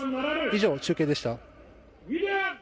以上、中継でした。